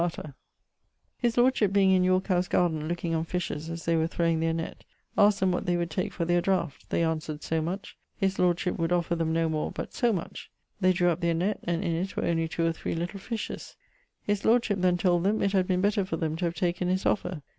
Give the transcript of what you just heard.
_ His lordship being in Yorke house garden lookeing on fishers as they were throwing their nett, asked them what they would take for their draught; they answered so much: his lordship would offer them no more but so much. They drew up their nett, and it were only 2 or 3 little fishes: his lordship then told them it had been better for them to have taken his offer.